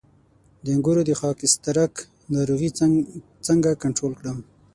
د انګورو د خاکسترک ناروغي څنګه کنټرول کړم؟